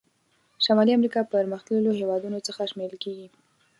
شمالي امریکا پرمختللو هېوادونو څخه شمیرل کیږي.